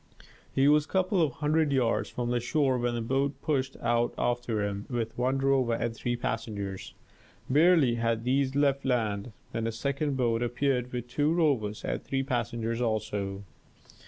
He was a couple of hundred yards from the shore when a boat pushed out after him with one rower and three passengers. Barely had these left land when a second boat appeared with two rowers and three passengers also.